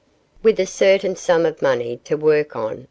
With a certain sum of money to work on, M.